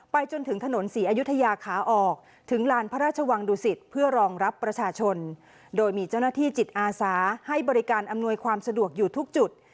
จนถึงถนนศรีอยุธยาขาออกถึงลานพระราชวังดุสิตเพื่อรองรับประชาชนโดยมีเจ้าหน้าที่จิตอาสาให้บริการอำนวยความสะดวกอยู่ทุกจุด